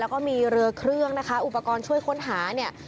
แล้วก็มีเรือเครื่องนะคะอุปกรณ์ช่วยค้นหาเนี่ย